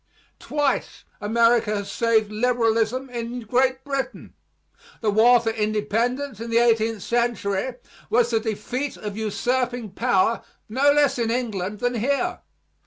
Twice America has saved liberalism in Great Britain. The War for Independence in the eighteenth century was the defeat of usurping power no less in England than here.